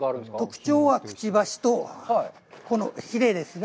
特徴はくちばしと、このひれですね。